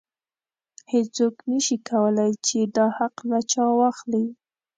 هیڅوک نشي کولی چې دا حق له چا واخلي.